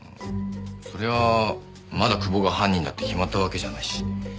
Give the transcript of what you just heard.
そりゃまだ久保が犯人だって決まったわけじゃないし。